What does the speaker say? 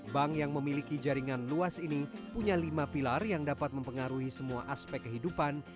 bank yang memiliki jaringan luas ini punya lima pilar yang dapat mempengaruhi semua aspek kehidupan